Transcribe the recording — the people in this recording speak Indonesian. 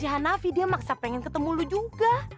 tadi dia maksa pengen ketemu lo juga